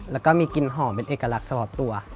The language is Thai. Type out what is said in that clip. แล้วก็มีกลิ่นหอมเป็นเอกลักษณ์เฉพาะตัว